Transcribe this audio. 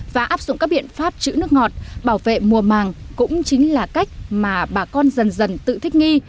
và áp dụng các biện pháp chữ nước ngọt bảo vệ mùa màng cũng chính là cách mà bà con dần dần tự thích nghi